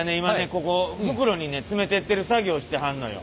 ここ袋に詰めてってる作業してはんのよ。